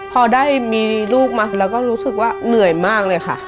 พอได้มีลูกมาแล้วก็รู้สึกว่าเหนื่อยมากเลยค่ะ